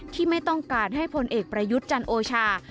ไม่ต้องการให้พลเอกประยุทธ์จันโอชา